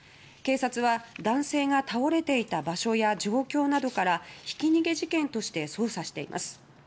警察は男性が倒れていた場所や状況などからひき逃げ事件として捜査しています。